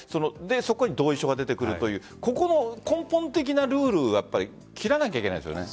そこに同意書が出てくるという根本的なルールは切らなきゃいけないですよね。